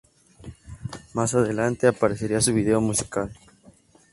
Más adelante, aparecería su vídeo musical.